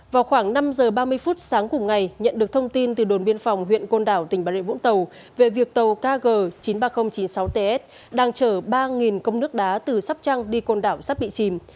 vào khoảng năm giờ ba mươi phút sáng cùng ngày nhận được thông tin từ đồn biên phòng huyện côn đảo tỉnh bà rệ vũng tàu về việc tàu kg chín mươi ba nghìn chín mươi sáu ts đang chở ba công nước đá từ sắp trăng đi côn đảo sắp bị chìm